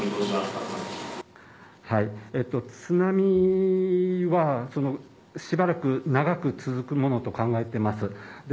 津波はしばらく長く続くものと考えています。